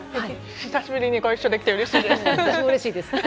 久しぶりにご一緒できてうれしいです。